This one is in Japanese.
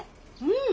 うん！